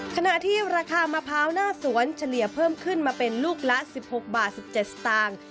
ขณะที่ราคามะพร้าวหน้าสวนเฉลี่ยเพิ่มขึ้นมาเป็นลูกละ๑๖บาท๑๗สตางค์